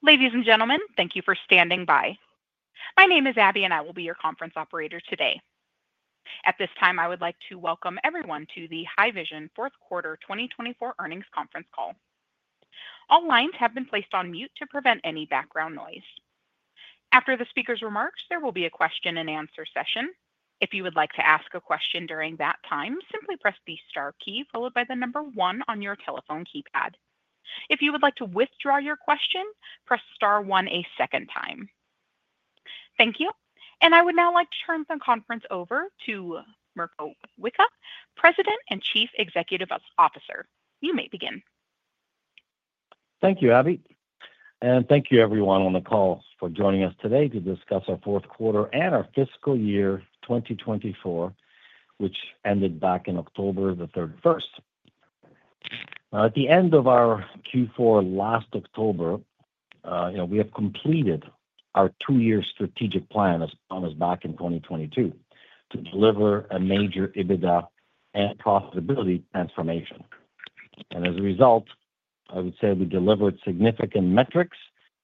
Ladies and gentlemen, thank you for standing by. My name is Abby, and I will be your conference operator today. At this time, I would like to welcome everyone to the Haivision Fourth Quarter 2024 Earnings Conference Call. All lines have been placed on mute to prevent any background noise. After the speaker's remarks, there will be a question-and-answer session. If you would like to ask a question during that time, simply press the star key followed by the number one on your telephone keypad. If you would like to withdraw your question, press star one a second time. Thank you. And I would now like to turn the conference over to Mirko Wicha, President and Chief Executive Officer. You may begin. Thank you, Abby, and thank you, everyone on the call, for joining us today to discuss our fourth quarter and our fiscal year 2024, which ended back on October 31st. Now, at the end of our Q4 last October, we have completed our two-year strategic plan as promised back in 2022 to deliver a major EBITDA and profitability transformation, and as a result, I would say we delivered significant metrics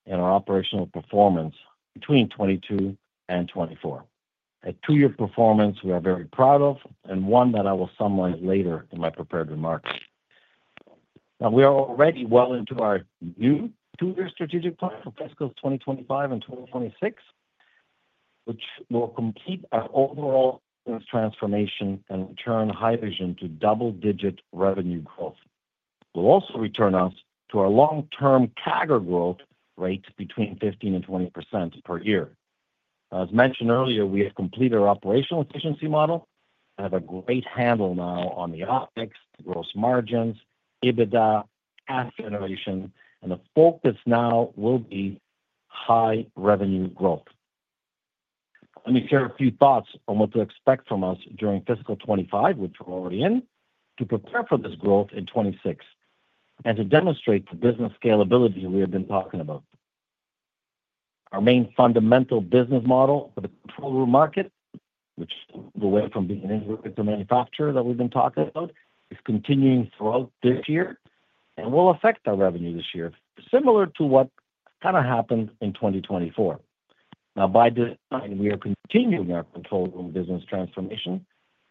in our operational performance between 2022 and 2024. A two-year performance we are very proud of and one that I will summarize later in my prepared remarks. Now, we are already well into our new two-year strategic plan for fiscals 2025 and 2026, which will complete our overall transformation and return Haivision to double-digit revenue growth. It will also return us to our long-term CAGR growth rate between 15%-20% per year. As mentioned earlier, we have completed our operational efficiency model, have a great handle now on the optics, gross margins, EBITDA, asset generation, and the focus now will be high revenue growth. Let me share a few thoughts on what to expect from us during fiscal 2025, which we're already in, to prepare for this growth in 2026, and to demonstrate the business scalability we have been talking about. Our main fundamental business model for the control room market, which moved away from being an integrator-to-manufacturer that we've been talking about, is continuing throughout this year and will affect our revenue this year, similar to what kind of happened in 2024. Now, by this time, we are continuing our control room business transformation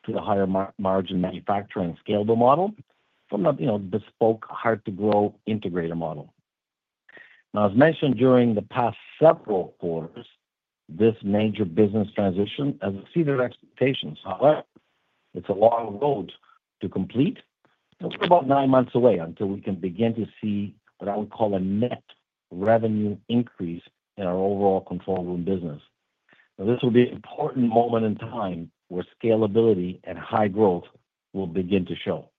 to the higher margin manufacturing scalable model from the bespoke, hard-to-grow integrator model. Now, as mentioned during the past several quarters, this major business transition has exceeded our expectations. However, it's a long road to complete, and we're about nine months away until we can begin to see what I would call a net revenue increase in our overall control room business. Now, this will be an important moment in time where scalability and high growth will begin to show.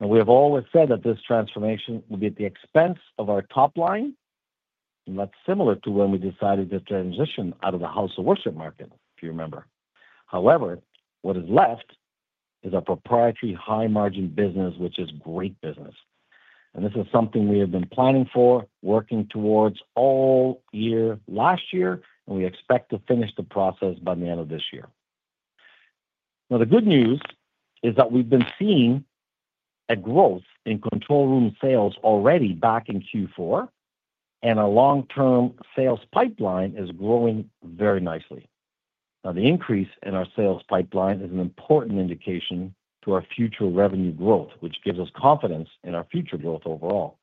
Now, we have always said that this transformation will be at the expense of our top line, and that's similar to when we decided to transition out of the house of worship market, if you remember. However, what is left is our proprietary high-margin business, which is great business, and this is something we have been planning for, working towards all year last year, and we expect to finish the process by the end of this year. Now, the good news is that we've been seeing a growth in control room sales already back in Q4, and our long-term sales pipeline is growing very nicely. Now, the increase in our sales pipeline is an important indication to our future revenue growth, which gives us confidence in our future growth overall.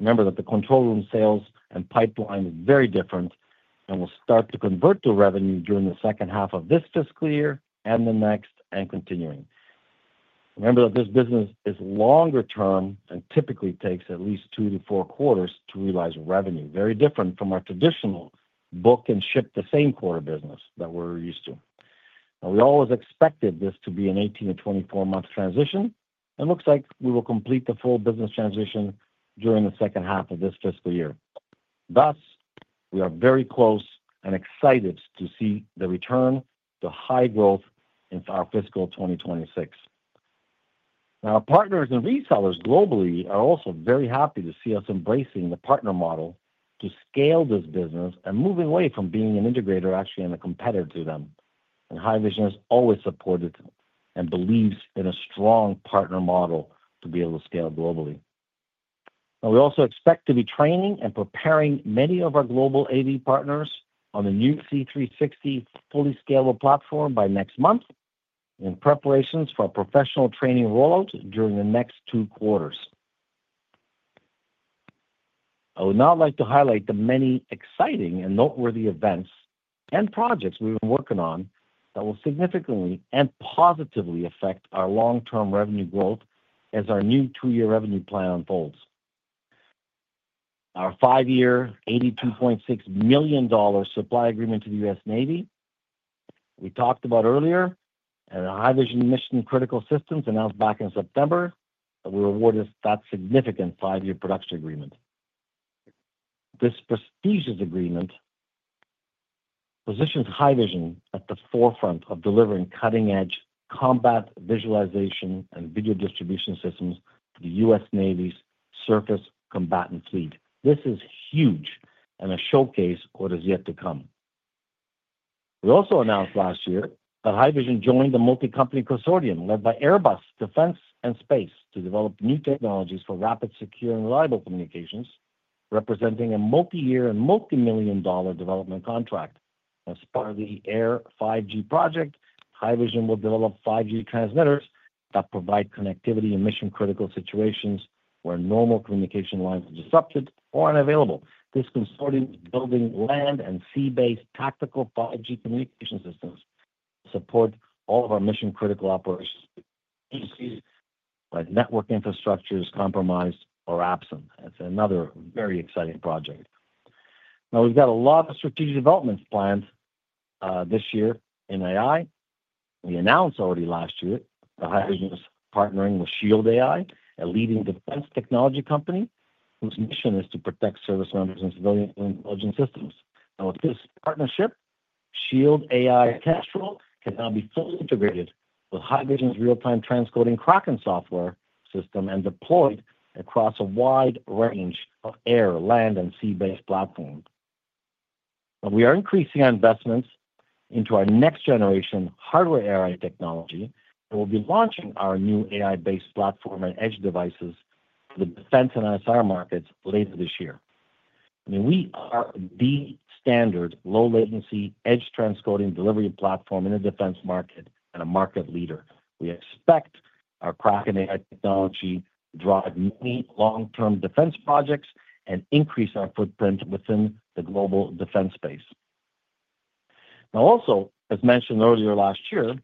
Remember that the control room sales and pipeline are very different and will start to convert to revenue during the second half of this fiscal year and the next and continuing. Remember that this business is longer-term and typically takes at least two to four quarters to realize revenue, very different from our traditional book-and-ship-the-same-quarter business that we're used to. Now, we always expected this to be an 18 to 24 months transition, and it looks like we will complete the full business transition during the second half of this fiscal year. Thus, we are very close and excited to see the return, the high growth in our fiscal 2026. Now, our partners and resellers globally are also very happy to see us embracing the partner model to scale this business and moving away from being an integrator, actually a competitor to them, and Haivision has always supported and believes in a strong partner model to be able to scale globally. Now, we also expect to be training and preparing many of our global AV partners on the new C360 fully scalable platform by next month in preparations for a professional training rollout during the next two quarters. I would now like to highlight the many exciting and noteworthy events and projects we've been working on that will significantly and positively affect our long-term revenue growth as our new two-year revenue plan unfolds. Our five-year 82.6 million dollar supply agreement to the U.S. Navy, we talked about earlier, and our Haivision Mission Critical Systems announced back in September that we were awarded that significant five-year production agreement. This prestigious agreement positions Haivision at the forefront of delivering cutting-edge combat visualization and video distribution systems to the U.S. Navy's surface combatant fleet. This is huge and a showcase of what is yet to come. We also announced last year that Haivision joined the multi-company consortium led by Airbus Defence and Space to develop new technologies for rapid, secure, and reliable communications, representing a multi-year and multi-million dollar development contract. As part of the Air!5G project, Haivision will develop 5G transmitters that provide connectivity in mission-critical situations where normal communication lines are disrupted or unavailable. This consortium is building land and sea-based tactical 5G communication systems to support all of our mission-critical operations by network infrastructures compromised or absent. It's another very exciting project. Now, we've got a lot of strategic developments planned this year in AI. We announced already last year that Haivision is partnering with Shield AI, a leading defense technology company whose mission is to protect service members and civilian intelligence systems. Now, with this partnership, Shield AI Kestrel can now be fully integrated with Haivision's real-time transcoding Kraken software system and deployed across a wide range of air, land, and sea-based platforms. Now, we are increasing our investments into our next-generation hardware AI technology and will be launching our new AI-based platform and edge devices for the defense and ISR markets later this year. I mean, we are the standard low-latency edge transcoding delivery platform in the defense market and a market leader. We expect our Kraken AI technology to drive many long-term defense projects and increase our footprint within the global defense space. Now, also, as mentioned earlier last year,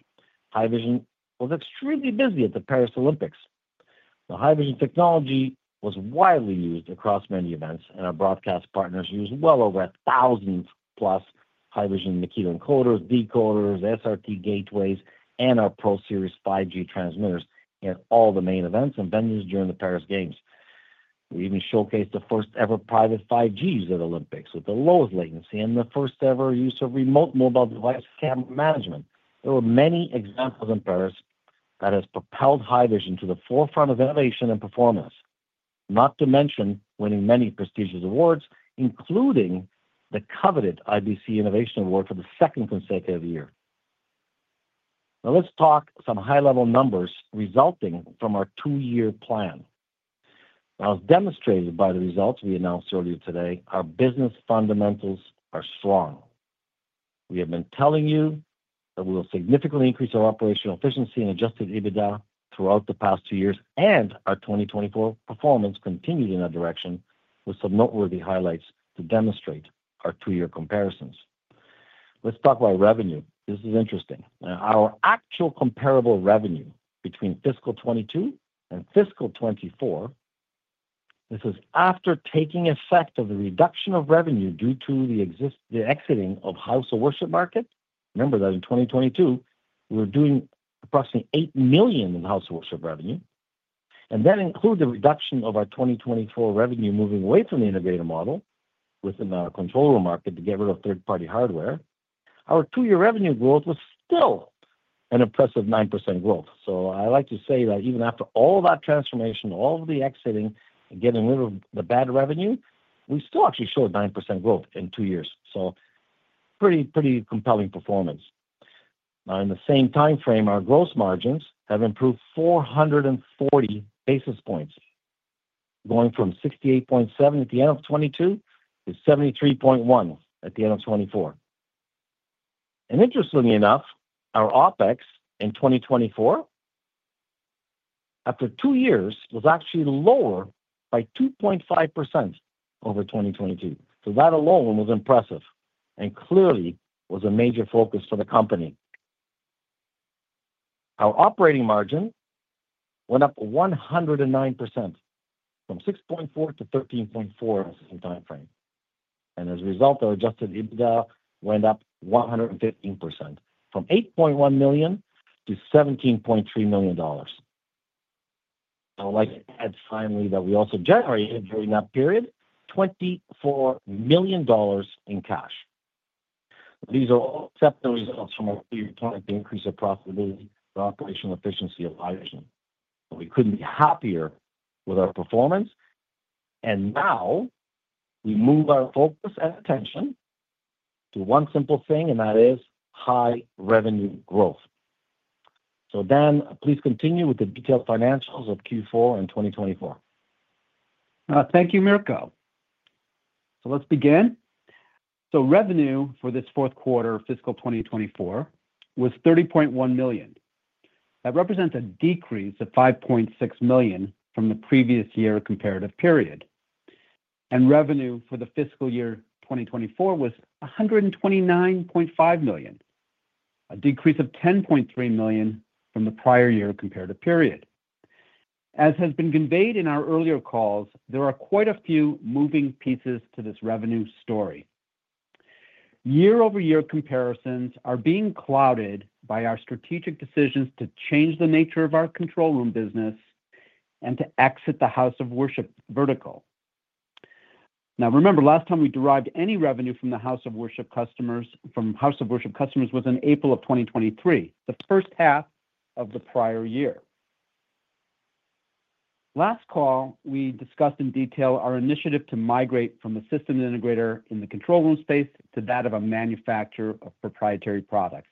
Haivision was extremely busy at the Paris Olympics. Now, Haivision technology was widely used across many events, and our broadcast partners used well over 1,000+ Haivision Makito encoders, decoders, SRT gateways, and our Pro series 5G transmitters at all the main events and venues during the Paris Games. We even showcased the first-ever private 5Gs at Olympics with the lowest latency and the first-ever use of remote mobile device camera management. There were many examples in Paris that have propelled Haivision to the forefront of innovation and performance, not to mention winning many prestigious awards, including the coveted IBC Innovation Award for the second consecutive year. Now, let's talk some high-level numbers resulting from our two-year plan. Now, as demonstrated by the results we announced earlier today, our business fundamentals are strong. We have been telling you that we will significantly increase our operational efficiency and adjusted EBITDA throughout the past two years, and our 2024 performance continued in that direction with some noteworthy highlights to demonstrate our two-year comparisons. Let's talk about revenue. This is interesting. Our actual comparable revenue between fiscal 2022 and fiscal 2024, this is after taking effect of the reduction of revenue due to the exiting of the house of worship market. Remember that in 2022, we were doing approximately 8 million in house of worship revenue, and that includes the reduction of our 2024 revenue moving away from the integrator model within our control room market to get rid of third-party hardware. Our two-year revenue growth was still an impressive 9% growth. I like to say that even after all that transformation, all of the exiting and getting rid of the bad revenue, we still actually showed 9% growth in two years. Pretty, pretty compelling performance. Now, in the same time frame, our gross margins have improved 440 basis points, going from 68.7% at the end of 2022 to 73.1% at the end of 2024. Interestingly enough, our OpEx in 2024, after two years, was actually lower by 2.5% over 2022. That alone was impressive and clearly was a major focus for the company. Our operating margin went up 109% from 6.4% to 13.4% in the same time frame. As a result, our adjusted EBITDA went up 115% from 8.1 million to 17.3 million dollars. I would like to add finally that we also generated during that period 24 million dollars in cash. These are all exceptional results from our two-year plan to increase the profitability and operational efficiency of Haivision. We couldn't be happier with our performance. And now we move our focus and attention to one simple thing, and that is high revenue growth. So Dan, please continue with the detailed financials of Q4 in 2024. Thank you, Mirko. So let's begin. Revenue for this fourth quarter, fiscal 2024, was 30.1 million. That represents a decrease of 5.6 million from the previous year comparative period, and revenue for the fiscal year 2024 was 129.5 million, a decrease of 10.3 million from the prior year comparative period. As has been conveyed in our earlier calls, there are quite a few moving pieces to this revenue story. Year-over-year comparisons are being clouded by our strategic decisions to change the nature of our control room business and to exit the house of worship vertical. Now, remember, last time we derived any revenue from the house of worship customers was in April of 2023, the first half of the prior year. Last call, we discussed in detail our initiative to migrate from a system integrator in the control room space to that of a manufacturer of proprietary products.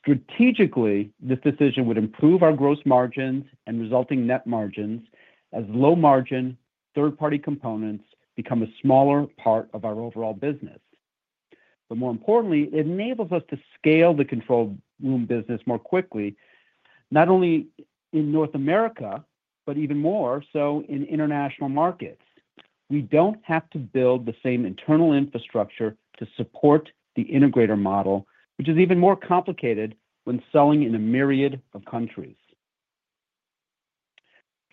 Strategically, this decision would improve our gross margins and resulting net margins as low-margin third-party components become a smaller part of our overall business. But more importantly, it enables us to scale the control room business more quickly, not only in North America, but even more so in international markets. We don't have to build the same internal infrastructure to support the integrator model, which is even more complicated when selling in a myriad of countries.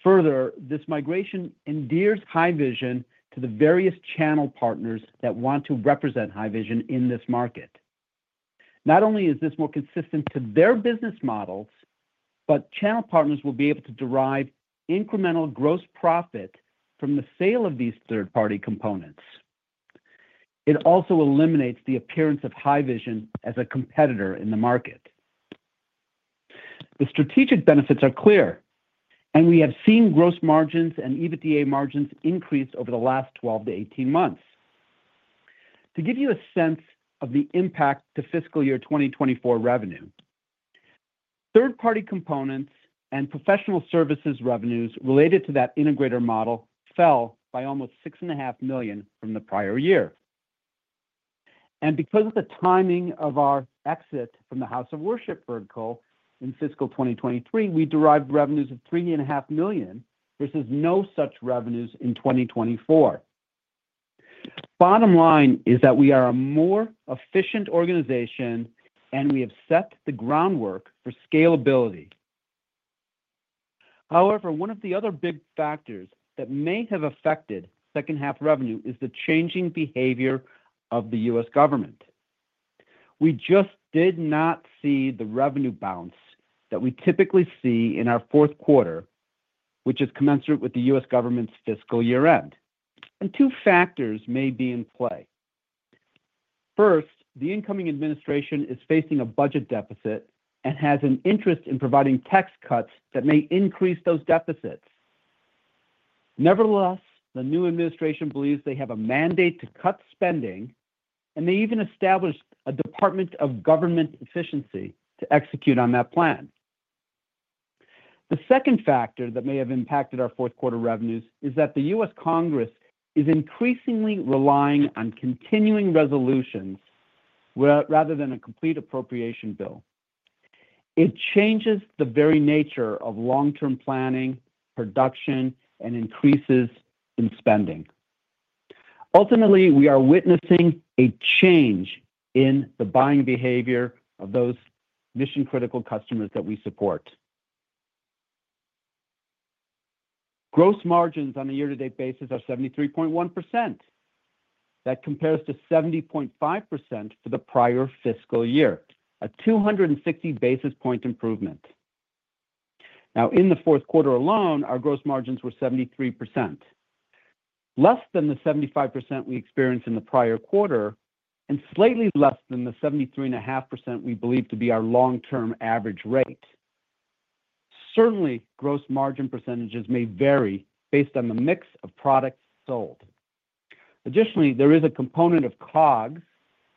Further, this migration endears Haivision to the various channel partners that want to represent Haivision in this market. Not only is this more consistent to their business models, but channel partners will be able to derive incremental gross profit from the sale of these third-party components. It also eliminates the appearance of Haivision as a competitor in the market. The strategic benefits are clear, and we have seen gross margins and EBITDA margins increase over the last 12 to 18 months. To give you a sense of the impact to fiscal year 2024 revenue, third-party components and professional services revenues related to that integrator model fell by almost 6.5 million from the prior year. And because of the timing of our exit from the house of worship vertical in fiscal 2023, we derived revenues of 3.5 million versus no such revenues in 2024. Bottom line is that we are a more efficient organization, and we have set the groundwork for scalability. However, one of the other big factors that may have affected second-half revenue is the changing behavior of the U.S. government. We just did not see the revenue bounce that we typically see in our fourth quarter, which is commensurate with the U.S. government's fiscal year-end. Two factors may be in play. First, the incoming administration is facing a budget deficit and has an interest in providing tax cuts that may increase those deficits. Nevertheless, the new administration believes they have a mandate to cut spending, and they even established a Department of Government Efficiency to execute on that plan. The second factor that may have impacted our fourth quarter revenues is that the U.S. Congress is increasingly relying on continuing resolutions rather than a complete appropriation bill. It changes the very nature of long-term planning, production, and increases in spending. Ultimately, we are witnessing a change in the buying behavior of those mission-critical customers that we support. Gross margins on a year-to-date basis are 73.1%. That compares to 70.5% for the prior fiscal year, a 260 basis points improvement. Now, in the fourth quarter alone, our gross margins were 73%, less than the 75% we experienced in the prior quarter and slightly less than the 73.5% we believe to be our long-term average rate. Certainly, gross margin percentages may vary based on the mix of products sold. Additionally, there is a component of COGS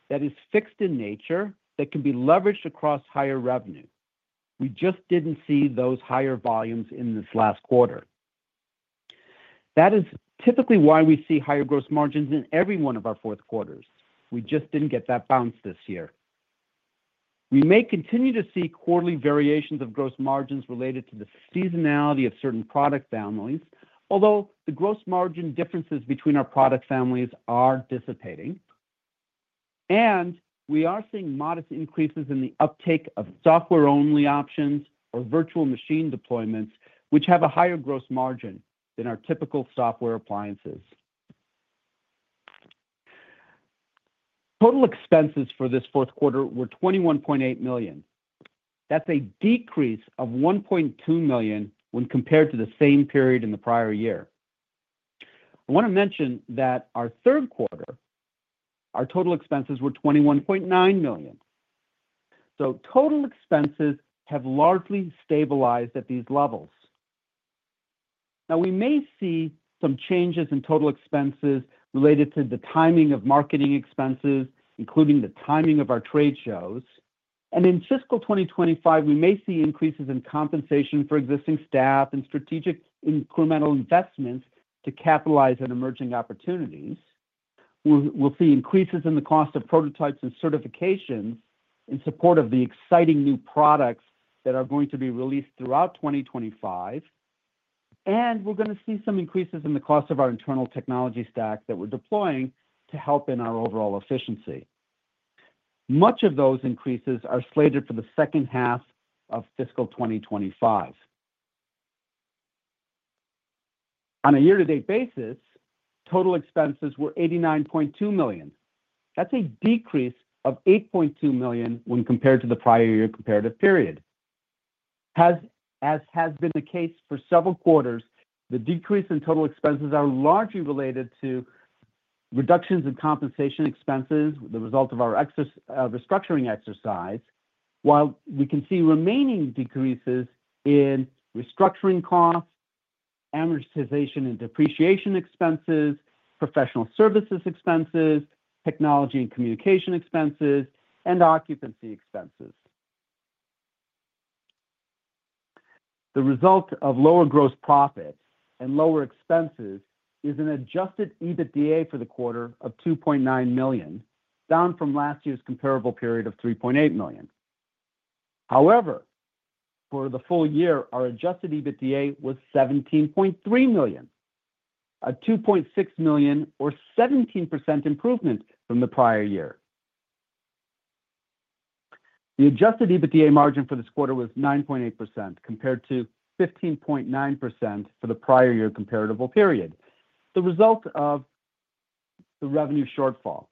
that is fixed in nature that can be leveraged across higher revenue. We just didn't see those higher volumes in this last quarter. That is typically why we see higher gross margins in every one of our fourth quarters. We just didn't get that bounce this year. We may continue to see quarterly variations of gross margins related to the seasonality of certain product families, although the gross margin differences between our product families are dissipating. We are seeing modest increases in the uptake of software-only options or virtual machine deployments, which have a higher gross margin than our typical software appliances. Total expenses for this fourth quarter were 21.8 million. That's a decrease of 1.2 million when compared to the same period in the prior year. I want to mention that our third quarter, our total expenses were 21.9 million. Total expenses have largely stabilized at these levels. We may see some changes in total expenses related to the timing of marketing expenses, including the timing of our trade shows. In fiscal 2025, we may see increases in compensation for existing staff and strategic incremental investments to capitalize on emerging opportunities. We'll see increases in the cost of prototypes and certifications in support of the exciting new products that are going to be released throughout 2025. And we're going to see some increases in the cost of our internal technology stack that we're deploying to help in our overall efficiency. Much of those increases are slated for the second half of fiscal 2025. On a year-to-date basis, total expenses were 89.2 million. That's a decrease of 8.2 million when compared to the prior year comparative period. As has been the case for several quarters, the decrease in total expenses is largely related to reductions in compensation expenses as a result of our restructuring exercise, while we can see remaining decreases in restructuring costs, amortization and depreciation expenses, professional services expenses, technology and communication expenses, and occupancy expenses. The result of lower gross profits and lower expenses is an adjusted EBITDA for the quarter of 2.9 million, down from last year's comparable period of 3.8 million. However, for the full year, our adjusted EBITDA was 17.3 million, a 2.6 million or 17% improvement from the prior year. The adjusted EBITDA margin for this quarter was 9.8% compared to 15.9% for the prior year comparative period, the result of the revenue shortfall.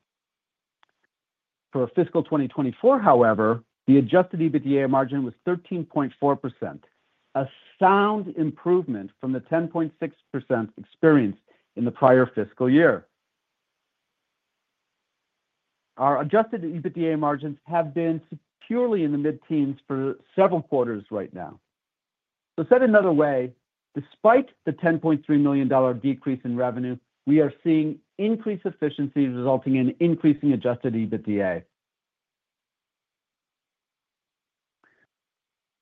For fiscal 2024, however, the adjusted EBITDA margin was 13.4%, a sound improvement from the 10.6% experience in the prior fiscal year. Our adjusted EBITDA margins have been purely in the mid-teens for several quarters right now. So said another way, despite the 10.3 million dollar decrease in revenue, we are seeing increased efficiency resulting in increasing adjusted EBITDA.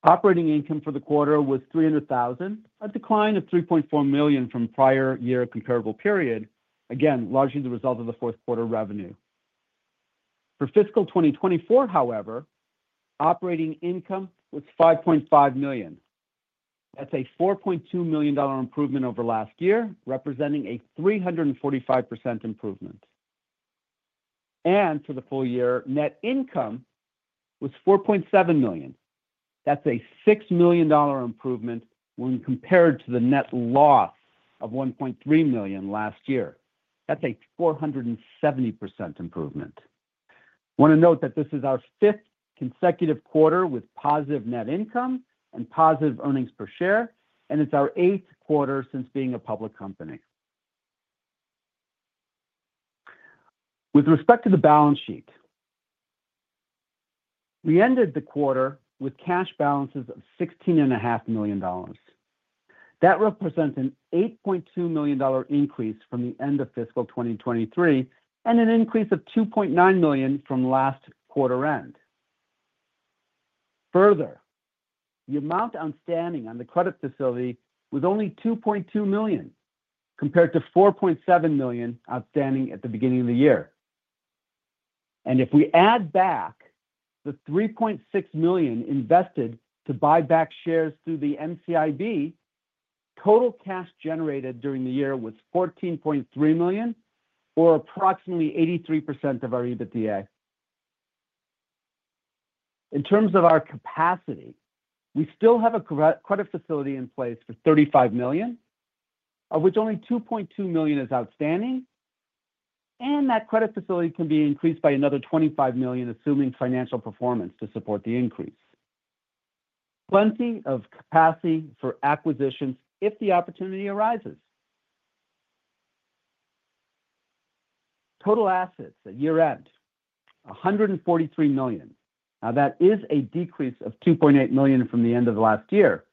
Operating income for the quarter was 300,000, a decline of 3.4 million from prior year comparable period, again, largely the result of the fourth quarter revenue. For fiscal 2024, however, operating income was 5.5 million. That's a 4.2 million dollar improvement over last year, representing a 345% improvement. And for the full year, net income was 4.7 million. That's a 6 million dollar improvement when compared to the net loss of 1.3 million last year. That's a 470% improvement. I want to note that this is our fifth consecutive quarter with positive net income and positive earnings per share, and it's our eighth quarter since being a public company. With respect to the balance sheet, we ended the quarter with cash balances of 16.5 million dollars. That represents an 8.2 million dollar increase from the end of fiscal 2023 and an increase of 2.9 million from last quarter end. Further, the amount outstanding on the credit facility was only 2.2 million compared to 4.7 million outstanding at the beginning of the year. And if we add back the 3.6 million invested to buy back shares through the NCIB, total cash generated during the year was 14.3 million, or approximately 83% of our EBITDA. In terms of our capacity, we still have a credit facility in place for 35 million, of which only 2.2 million is outstanding. And that credit facility can be increased by another 25 million, assuming financial performance to support the increase. Plenty of capacity for acquisitions if the opportunity arises. Total assets at year-end, 143 million. Now, that is a decrease of 2.8 million from the end of last year.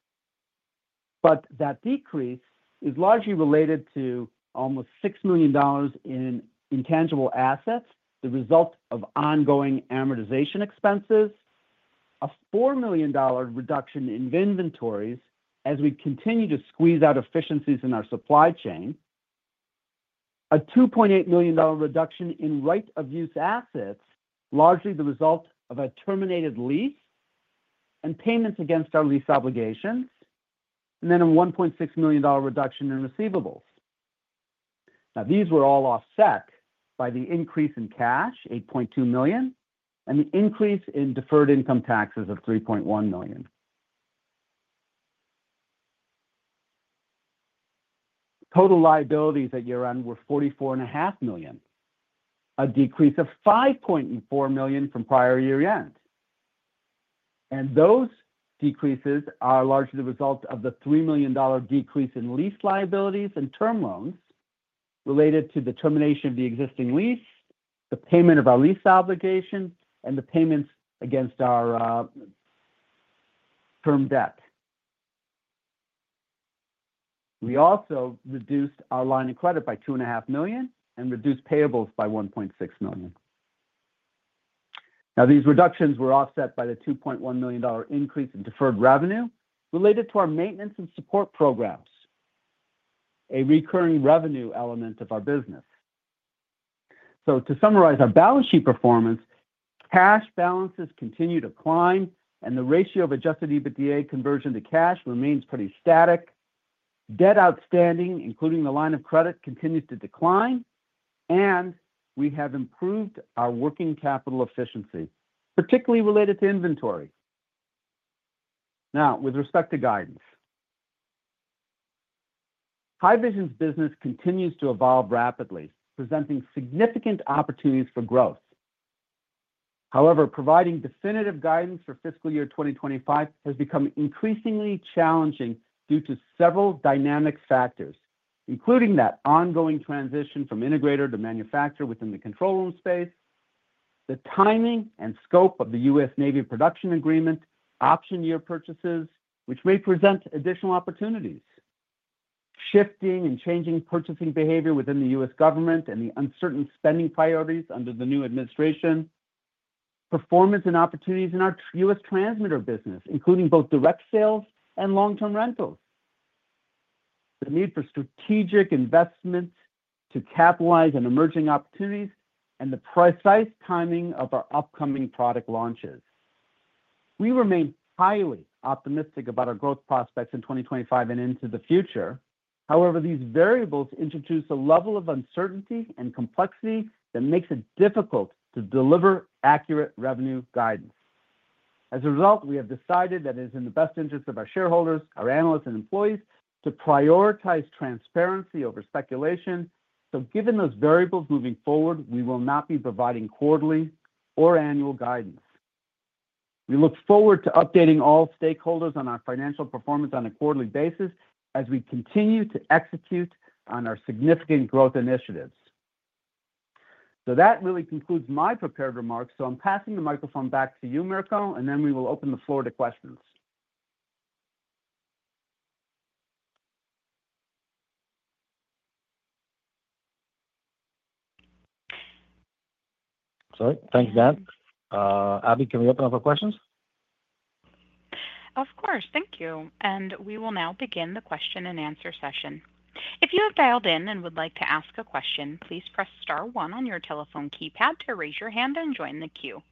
But that decrease is largely related to almost 6 million dollars in intangible assets, the result of ongoing amortization expenses, a 4 million dollar reduction in inventories as we continue to squeeze out efficiencies in our supply chain, a 2.8 million dollar reduction in right-of-use assets, largely the result of a terminated lease and payments against our lease obligations, and then a 1.6 million dollar reduction in receivables. Now, these were all offset by the increase in cash, 8.2 million, and the increase in deferred income taxes of 3.1 million. Total liabilities at year-end were 44.5 million, a decrease of 5.4 million from prior year-end, and those decreases are largely the result of the 3 million dollar decrease in lease liabilities and term loans related to the termination of the existing lease, the payment of our lease obligation, and the payments against our term debt. We also reduced our line of credit by 2.5 million and reduced payables by 1.6 million. Now, these reductions were offset by the 2.1 million dollar increase in deferred revenue related to our maintenance and support programs, a recurring revenue element of our business. So, to summarize our balance sheet performance, cash balances continue to climb, and the ratio of adjusted EBITDA conversion to cash remains pretty static. Debt outstanding, including the line of credit, continues to decline, and we have improved our working capital efficiency, particularly related to inventory. Now, with respect to guidance, Haivision's business continues to evolve rapidly, presenting significant opportunities for growth. However, providing definitive guidance for fiscal year 2025 has become increasingly challenging due to several dynamic factors, including that ongoing transition from integrator to manufacturer within the control room space, the timing and scope of the U.S. Navy production agreement, option year purchases, which may present additional opportunities, shifting and changing purchasing behavior within the U.S. government, and the uncertain spending priorities under the new administration, performance and opportunities in our U.S. transmitter business, including both direct sales and long-term rentals, the need for strategic investments to capitalize on emerging opportunities, and the precise timing of our upcoming product launches. We remain highly optimistic about our growth prospects in 2025 and into the future. However, these variables introduce a level of uncertainty and complexity that makes it difficult to deliver accurate revenue guidance. As a result, we have decided that it is in the best interest of our shareholders, our analysts, and employees to prioritize transparency over speculation. So, given those variables moving forward, we will not be providing quarterly or annual guidance. We look forward to updating all stakeholders on our financial performance on a quarterly basis as we continue to execute on our significant growth initiatives. So that really concludes my prepared remarks. So I'm passing the microphone back to you, Mirko, and then we will open the floor to questions. Sorry. Thank you, Dan. Abby, can we open up for questions? Of course. Thank you. And we will now begin the question and answer session. If you have dialed in and would like to ask a question, please press star one on your telephone keypad to raise your hand and join the queue.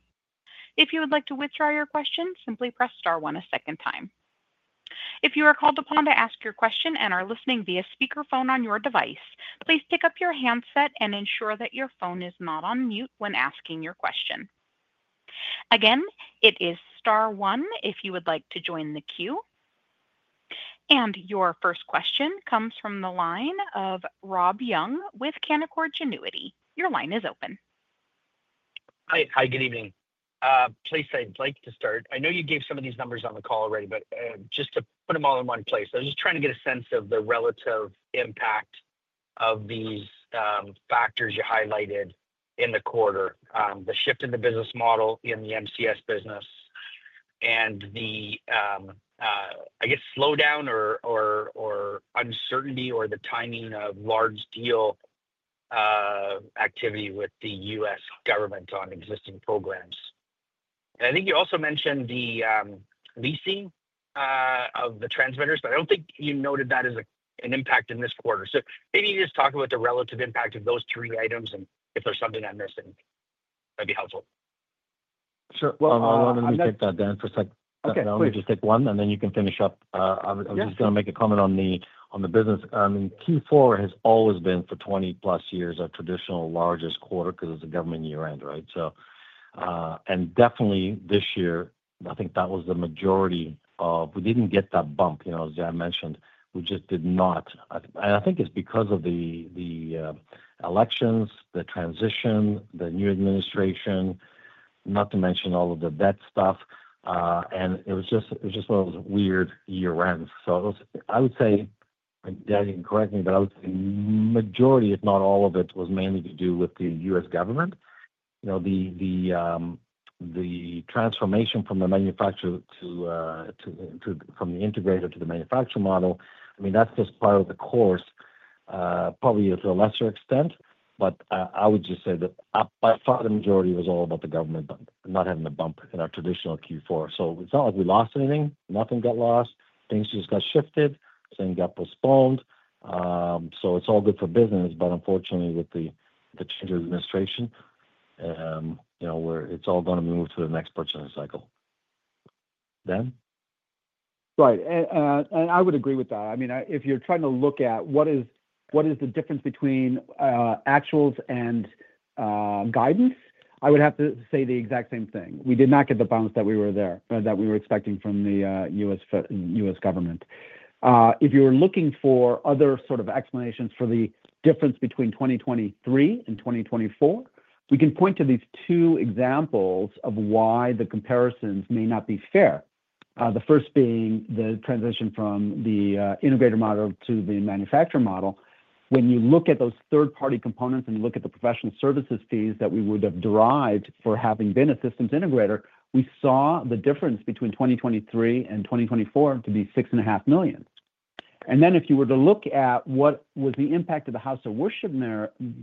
If you would like to withdraw your question, simply press star one a second time. If you are called upon to ask your question and are listening via speakerphone on your device, please pick up your handset and ensure that your phone is not on mute when asking your question. Again, it is star one if you would like to join the queue. And your first question comes from the line of Rob Young with Canaccord Genuity. Your line is open. Hi. Hi. Good evening. Please, I'd like to start. I know you gave some of these numbers on the call already, but just to put them all in one place, I was just trying to get a sense of the relative impact of these factors you highlighted in the quarter, the shift in the business model in the MCS business, and the, I guess, slowdown or uncertainty or the timing of large deal activity with the U.S. government on existing programs, and I think you also mentioned the leasing of the transmitters, but I don't think you noted that as an impact in this quarter, so maybe you just talk about the relative impact of those three items and if there's something I'm missing, that'd be helpful. Sure. Well, I want to take that, Dan, for a second. I'll just take one, and then you can finish up. I was just going to make a comment on the business. I mean, Q4 has always been, for 20+ years, our traditional largest quarter because it's a government year-end, right? And definitely, this year, I think that was the majority of we didn't get that bump, as I mentioned. We just did not. And I think it's because of the elections, the transition, the new administration, not to mention all of the debt stuff. And it was just one of those weird year-ends. So I would say, and Dan can correct me, but I would say the majority, if not all of it, was mainly to do with the U.S. government. The transformation from the manufacturer to from the integrator to the manufacturer model, I mean, that's just part of the course, probably to a lesser extent. But I would just say that by far, the majority was all about the government not having a bump in our traditional Q4. So it's not like we lost anything. Nothing got lost. Things just got shifted. Some got postponed. So it's all good for business, but unfortunately, with the change of administration, it's all going to move to the next purchasing cycle. Dan? Right. I would agree with that. I mean, if you're trying to look at what is the difference between actuals and guidance, I would have to say the exact same thing. We did not get the bounce that we were expecting from the U.S. government. If you were looking for other sort of explanations for the difference between 2023 and 2024, we can point to these two examples of why the comparisons may not be fair. The first being the transition from the integrator model to the manufacturer model. When you look at those third-party components and you look at the professional services fees that we would have derived for having been a systems integrator, we saw the difference between 2023 and 2024 to be 6.5 million. If you were to look at what was the impact of the house of worship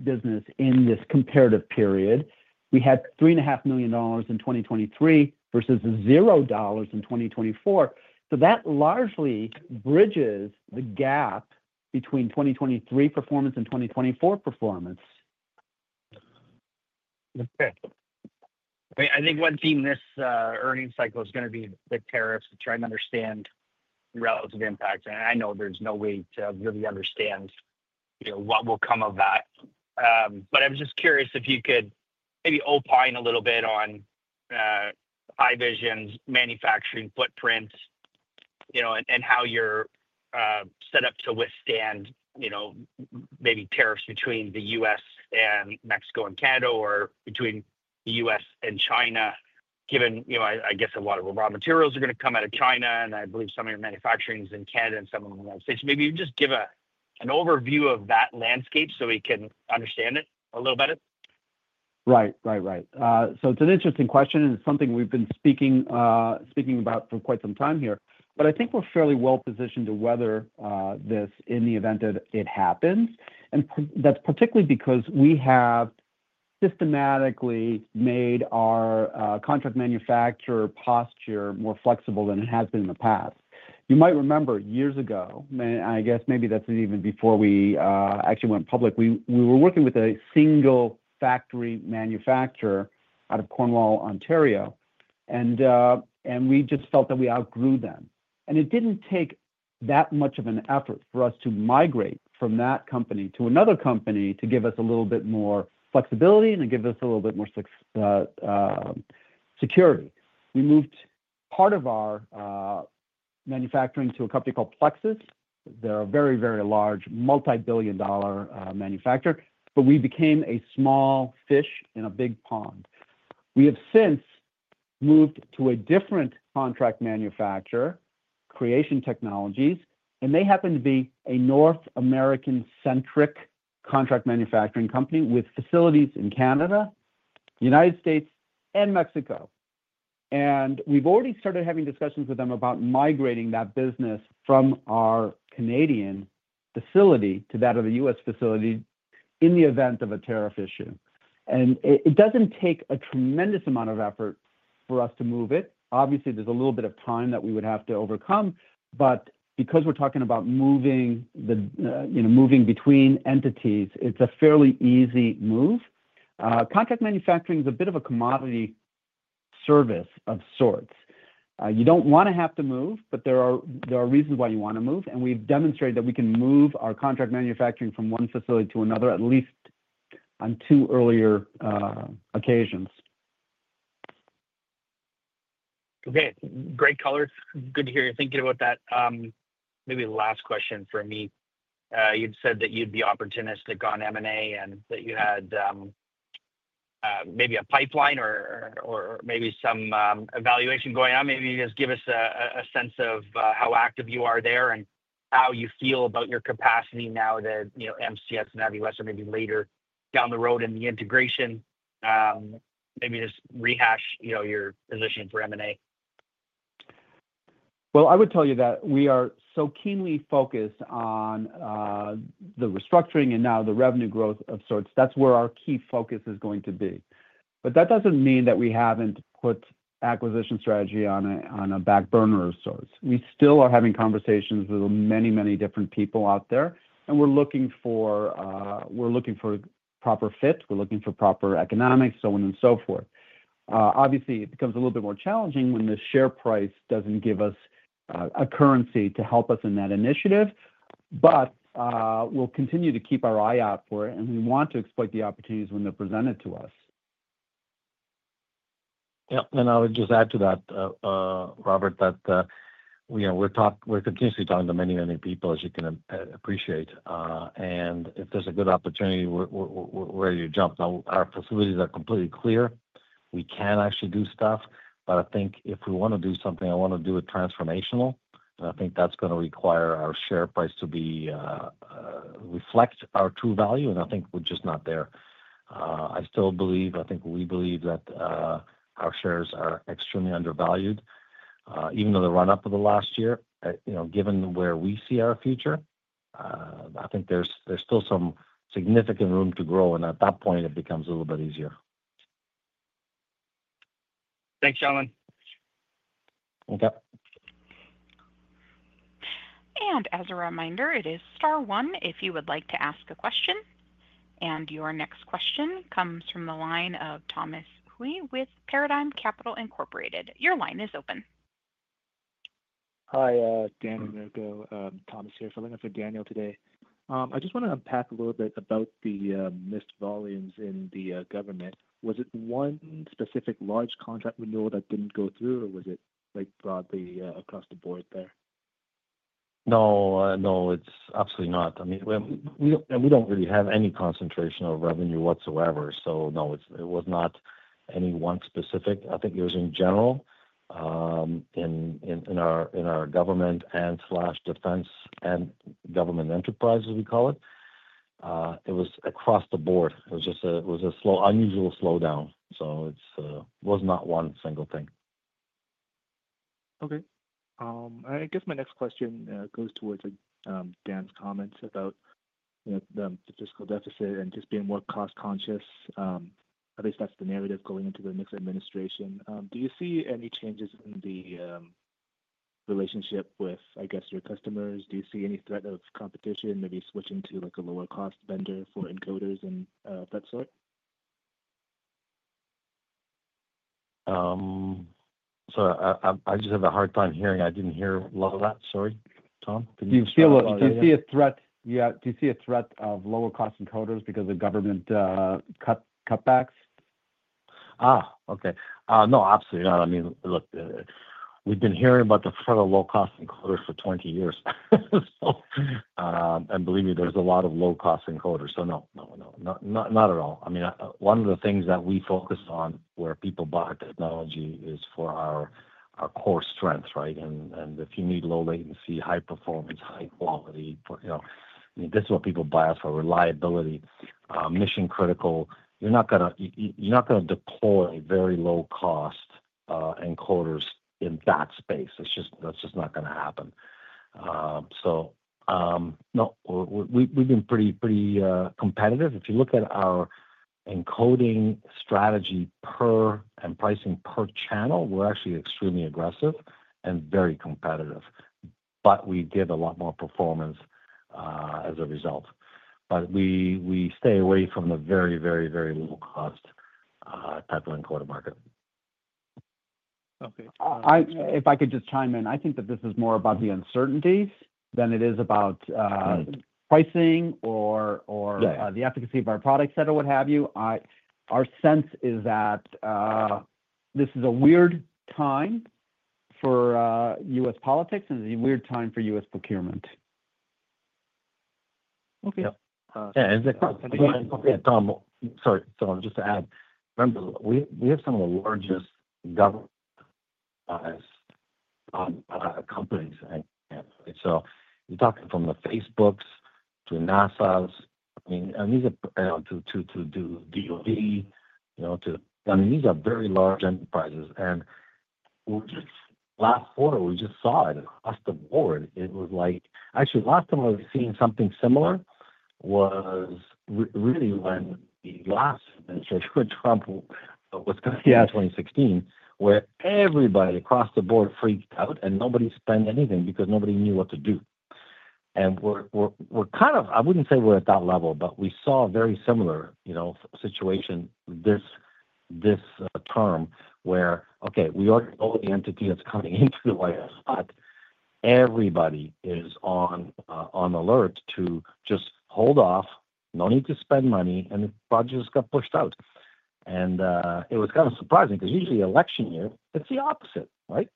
business in this comparative period, we had 3.5 million dollars in 2023 versus 0 dollars in 2024. That largely bridges the gap between 2023 performance and 2024 performance. Okay. I think one theme this earnings cycle is going to be the tariffs to try and understand relative impact, and I know there's no way to really understand what will come of that, but I was just curious if you could maybe opine a little bit on Haivision's manufacturing footprint and how you're set up to withstand maybe tariffs between the U.S. and Mexico and Canada or between the U.S. and China, given, I guess, a lot of raw materials are going to come out of China, and I believe some of your manufacturing is in Canada and some of them are in the United States. Maybe you just give an overview of that landscape so we can understand it a little better? Right. Right. Right. So it's an interesting question, and it's something we've been speaking about for quite some time here. But I think we're fairly well positioned to weather this in the event that it happens. And that's particularly because we have systematically made our contract manufacturer posture more flexible than it has been in the past. You might remember years ago, and I guess maybe that's even before we actually went public, we were working with a single factory manufacturer out of Cornwall, Ontario, and we just felt that we outgrew them. And it didn't take that much of an effort for us to migrate from that company to another company to give us a little bit more flexibility and to give us a little bit more security. We moved part of our manufacturing to a company called Plexus. They're a very, very large multi-billion dollar manufacturer, but we became a small fish in a big pond. We have since moved to a different contract manufacturer, Creation Technologies, and they happen to be a North American-centric contract manufacturing company with facilities in Canada, the United States, and Mexico, and we've already started having discussions with them about migrating that business from our Canadian facility to that of the U.S. facility in the event of a tariff issue, and it doesn't take a tremendous amount of effort for us to move it. Obviously, there's a little bit of time that we would have to overcome, but because we're talking about moving between entities, it's a fairly easy move. Contract manufacturing is a bit of a commodity service of sorts. You don't want to have to move, but there are reasons why you want to move. We've demonstrated that we can move our contract manufacturing from one facility to another, at least on two earlier occasions. Okay. Great colors. Good to hear you. Thank you for that. Maybe last question for me. You'd said that you'd be opportunistic on M&A and that you had maybe a pipeline or maybe some evaluation going on. Maybe just give us a sense of how active you are there and how you feel about your capacity now that MCS and CineMassive are maybe later down the road in the integration, maybe just rehash your position for M&A. I would tell you that we are so keenly focused on the restructuring and now the revenue growth of sorts. That's where our key focus is going to be. But that doesn't mean that we haven't put acquisition strategy on a back burner of sorts. We still are having conversations with many, many different people out there, and we're looking for proper fits. We're looking for proper economics, so on and so forth. Obviously, it becomes a little bit more challenging when the share price doesn't give us a currency to help us in that initiative, but we'll continue to keep our eye out for it, and we want to exploit the opportunities when they're presented to us. Yep, and I would just add to that, Robert, that we're continuously talking to many, many people, as you can appreciate, and if there's a good opportunity, we're ready to jump. Our facilities are completely clear. We can actually do stuff, but I think if we want to do something, I want to do it transformational, and I think that's going to require our share price to reflect our true value, and I think we're just not there. I still believe, I think we believe that our shares are extremely undervalued. Even though the run-up of the last year, given where we see our future, I think there's still some significant room to grow, and at that point, it becomes a little bit easier. Thanks, gentlemen. Okay. As a reminder, it is star one if you would like to ask a question. Your next question comes from the line of Thomas Hui with Paradigm Capital Incorporated. Your line is open. Hi, Dan and Mirko. Thomas here filling in for Daniel today. I just want to unpack a little bit about the missed volumes in the government. Was it one specific large contract renewal that didn't go through, or was it broadly across the board there? No. No. It's absolutely not. I mean, we don't really have any concentration of revenue whatsoever. So no, it was not any one specific. I think it was in general in our government and/or defense and government enterprise, as we call it. It was across the board. It was an unusual slowdown. So it was not one single thing. Okay. I guess my next question goes towards Dan's comments about the fiscal deficit and just being more cost-conscious. At least that's the narrative going into the next administration. Do you see any changes in the relationship with, I guess, your customers? Do you see any threat of competition, maybe switching to a lower-cost vendor for encoders and that sort? So I just have a hard time hearing. I didn't hear a lot of that. Sorry, Tom. Do you see a threat? Yeah. Do you see a threat of lower-cost encoders because of government cutbacks? Okay. No, absolutely not. I mean, look, we've been hearing about the threat of low-cost encoders for 20 years. And believe me, there's a lot of low-cost encoders. So no, no, no. Not at all. I mean, one of the things that we focus on where people buy technology is for our core strength, right? And if you need low-latency, high-performance, high-quality, I mean, this is what people buy us for: reliability, mission-critical. You're not going to deploy very low-cost encoders in that space. That's just not going to happen. So no, we've been pretty competitive. If you look at our encoding strategy per and pricing per channel, we're actually extremely aggressive and very competitive. But we did a lot more performance as a result. But we stay away from the very, very, very low-cost type of encoder market. Okay. If I could just chime in, I think that this is more about the uncertainties than it is about pricing or the efficacy of our products that are what have you. Our sense is that this is a weird time for U.S. politics and a weird time for U.S. procurement. Okay. Yeah. And Tom, sorry. So I'll just add, remember, we have some of the largest government enterprise companies. So you're talking from the Facebooks to NASAs. I mean, and these are to the DoD too. I mean, these are very large enterprises. And last quarter, we just saw it across the board. It was like actually, the last time I was seeing something similar was really when the last administration, Trump, was coming in 2016, where everybody across the board freaked out and nobody spent anything because nobody knew what to do. And we're kind of. I wouldn't say we're at that level, but we saw a very similar situation this term where, okay, we are the only entity that's coming into the White House, but everybody is on alert to just hold off, no need to spend money, and the project just got pushed out. And it was kind of surprising because usually election year, it's the opposite, right?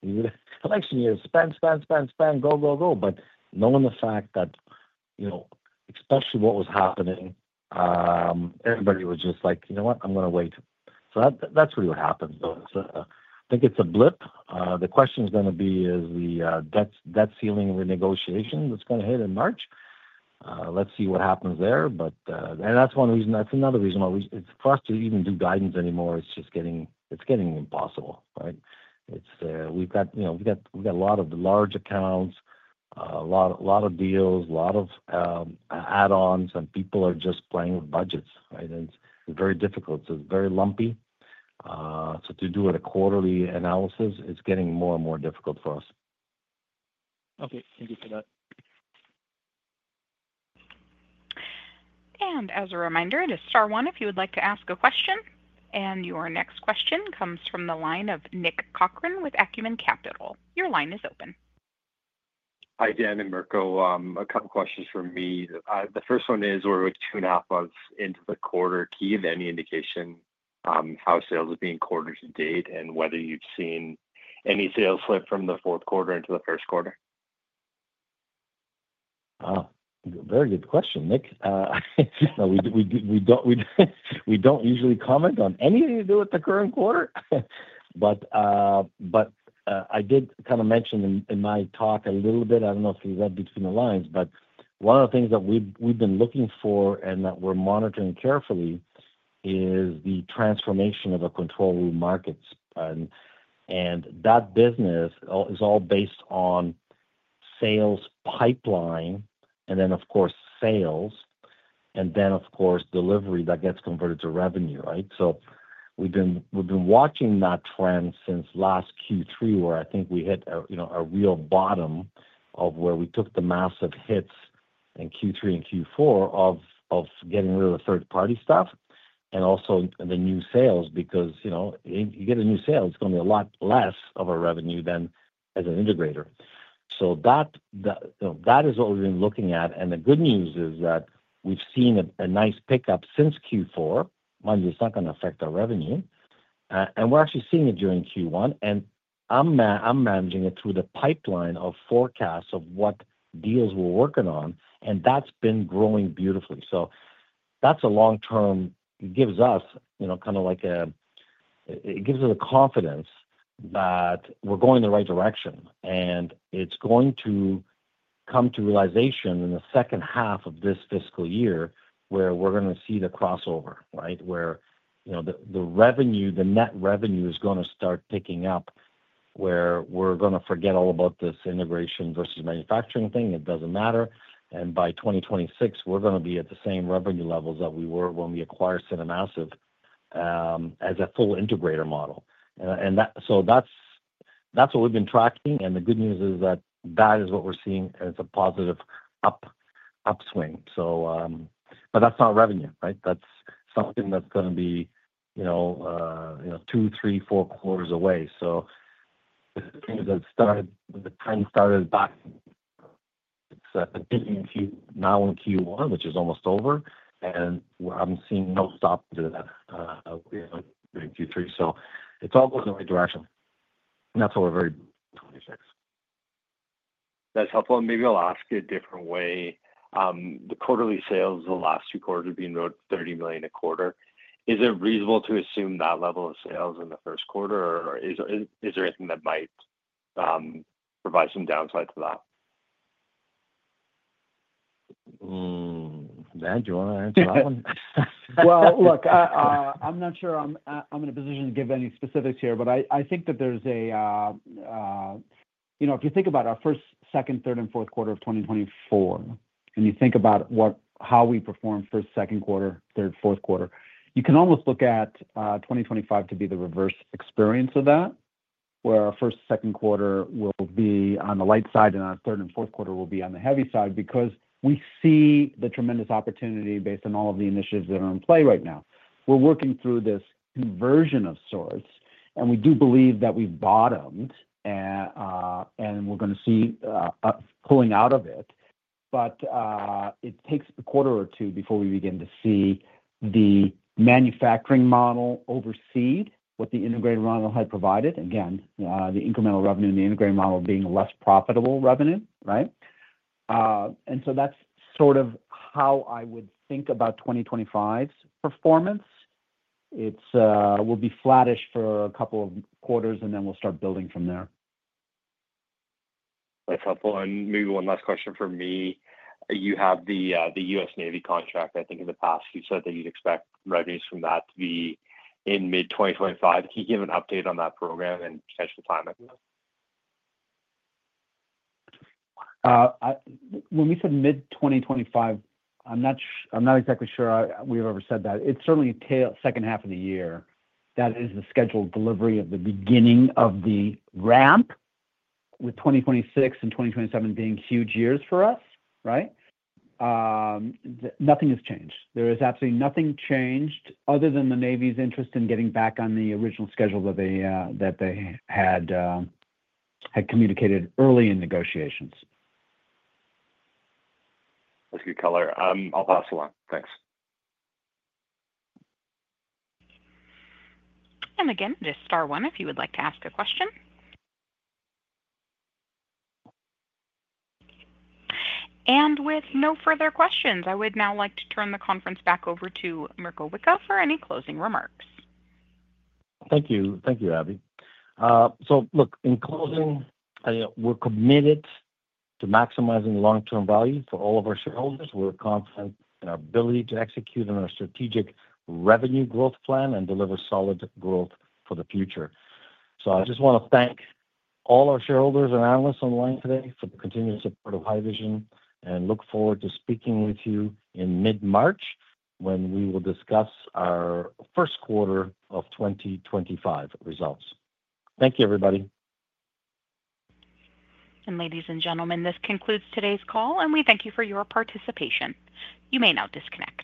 Election year, spend, spend, spend, spend, go, go, go. But knowing the fact that especially what was happening, everybody was just like, "You know what? I'm going to wait." So that's what happens. I think it's a blip. The question is going to be is the debt ceiling renegotiation that's going to hit in March. Let's see what happens there. And that's one reason. That's another reason why it's for us to even do guidance anymore. It's just getting impossible, right? We've got a lot of large accounts, a lot of deals, a lot of add-ons, and people are just playing with budgets, right? And it's very difficult. So it's very lumpy. So to do a quarterly analysis, it's getting more and more difficult for us. Okay. Thank you for that. As a reminder, it is star one if you would like to ask a question. Your next question comes from the line of Nick Corcoran with Acumen Capital. Your line is open. Hi, Dan and Mirko. A couple of questions from me. The first one is we're two and a half months into the quarter. Do you have any indication how sales are tracking to date and whether you've seen any sales flip from the fourth quarter into the first quarter? Very good question, Nick. We don't usually comment on anything to do with the current quarter, but I did kind of mention in my talk a little bit. I don't know if you read between the lines, but one of the things that we've been looking for and that we're monitoring carefully is the transformation of the control room markets, and that business is all based on sales pipeline and then, of course, sales, and then, of course, delivery that gets converted to revenue, right? So we've been watching that trend since last Q3, where I think we hit a real bottom of where we took the massive hits in Q3 and Q4 of getting rid of the third-party stuff and also the new sales, because you get a new sale, it's going to be a lot less of a revenue than as an integrator. So that is what we've been looking at, and the good news is that we've seen a nice pickup since Q4. Mind you, it's not going to affect our revenue, and we're actually seeing it during Q1, and I'm managing it through the pipeline of forecasts of what deals we're working on, and that's been growing beautifully, so that's a long-term gives us kind of like a it gives us a confidence that we're going the right direction. And it's going to come to realization in the second half of this fiscal year where we're going to see the crossover, right, where the net revenue is going to start picking up, where we're going to forget all about this integration versus manufacturing thing. It doesn't matter, and by 2026, we're going to be at the same revenue levels that we were when we acquired CineMassive as a full integrator model. And so that's what we've been tracking. And the good news is that that is what we're seeing. And it's a positive upswing. But that's not revenue, right? That's something that's going to be two, three, four quarters away. So things that started the trend started back [a bit in Q4], now in Q1, which is almost over. And I'm seeing no stop to that during Q3. So it's all going the right direction. And that's what we're very. That's helpful. And maybe I'll ask it a different way. The quarterly sales the last two quarters have been about 30 million a quarter. Is it reasonable to assume that level of sales in the first quarter, or is there anything that might provide some downside to that? Man, do you want to answer that one? Look, I'm not sure I'm in a position to give any specifics here, but I think that there's a if you think about our first, second, third, and fourth quarter of 2024, and you think about how we perform first, second quarter, third, fourth quarter, you can almost look at 2025 to be the reverse experience of that, where our first, second quarter will be on the light side and our third and fourth quarter will be on the heavy side because we see the tremendous opportunity based on all of the initiatives that are in play right now. We're working through this version of sorts. We do believe that we've bottomed, and we're going to see us pulling out of it. It takes a quarter or two before we begin to see the manufacturing model exceed what the integrated model had provided. Again, the incremental revenue in the integrated model being less profitable revenue, right? And so that's sort of how I would think about 2025's performance. It will be flattish for a couple of quarters, and then we'll start building from there. That's helpful. And maybe one last question for me. You have the U.S. Navy contract. I think in the past, you said that you'd expect revenues from that to be in mid-2025. Can you give an update on that program and potential timing? When we said mid-2025, I'm not exactly sure we've ever said that. It's certainly the second half of the year. That is the scheduled delivery of the beginning of the ramp, with 2026 and 2027 being huge years for us, right? Nothing has changed. There is absolutely nothing changed other than the Navy's interest in getting back on the original schedule that they had communicated early in negotiations. That's a good color. I'll pass along. Thanks. Again, it is star one if you would like to ask a question. With no further questions, I would now like to turn the conference back over to Mirko Wicha for any closing remarks. Thank you. Thank you, Abby. So look, in closing, we're committed to maximizing long-term value for all of our shareholders. We're confident in our ability to execute on our strategic revenue growth plan and deliver solid growth for the future. So I just want to thank all our shareholders and analysts on the line today for the continued support of Haivision and look forward to speaking with you in mid-March when we will discuss our first quarter of 2025 results. Thank you, everybody. Ladies and gentlemen, this concludes today's call, and we thank you for your participation. You may now disconnect.